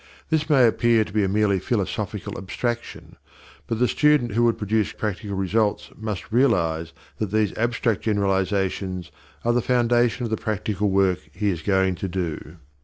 This may appear to be a merely philosophical abstraction, but the student who would produce practical results must realize that these abstract generalizations are the foundation of the practical work he is going to do.